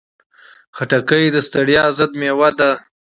خټکی د ستړیا ضد مېوه ده.